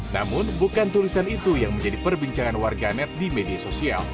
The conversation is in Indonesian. namun bukan tulisan itu yang menjadi perbincangan warganet di media sosial